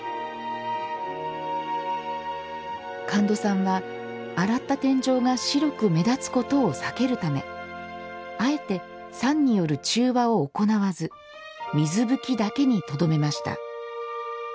神門さんは、洗った天井が白く目立つことを避けるためあえて酸による中和を行わず水拭きだけにとどめました。